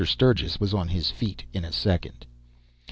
Sturgis was on his feet in a second.